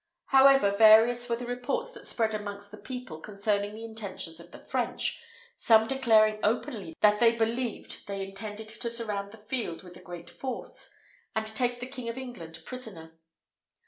However, various were the reports that spread amongst the people concerning the intentions of the French, some declaring openly that they believed they intended to surround the field with a great force, and take the king of England prisoner.